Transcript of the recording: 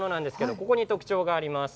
ここに特徴があります。